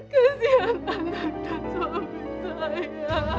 kesian anak dan suami saya